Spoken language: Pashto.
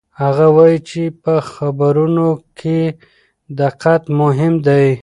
هغه وایي چې په خبرونو کې دقت مهم دی.